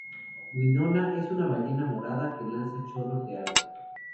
Winona: Es una ballena morada que lanza chorros de agua.